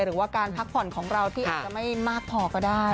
หรือว่าการพักผ่อนของเราที่อาจจะไม่มากพอก็ได้